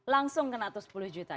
langsung kena satu ratus sepuluh juta